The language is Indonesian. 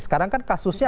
sekarang kan kasusnya